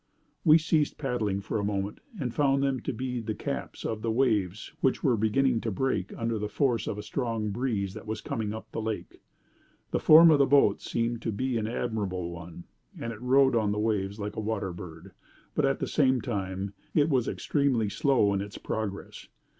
We ceased paddling for a moment, and found them to be the caps of the waves that were beginning to break under the force of a strong breeze that was coming up the lake. The form of the boat seemed to be an admirable one, and it rode on the waves like a water bird; but, at the same time, it was extremely slow in its progress.